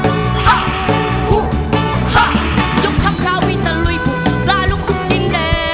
ฮะฮุฮะยกทำความวิตลุยฝุ่งลายลุกทุกทีเน่